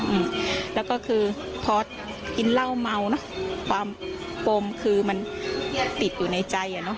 อืมแล้วก็คือพอกินเหล้าเมาเนอะความปมคือมันติดอยู่ในใจอ่ะเนอะ